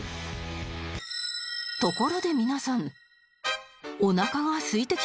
ところで皆さん